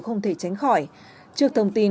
không thể tránh khỏi trước thông tin